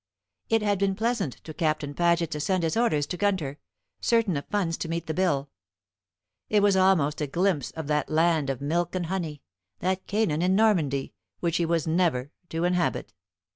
It had been pleasant to Captain Paget to send his orders to Gunter, certain of funds to meet the bill. It was almost a glimpse of that land of milk and honey, that Canaan in Normandy, which he was never to inhabit.